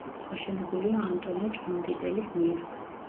აშენებულია ანტონი ჭყონდიდელის მიერ.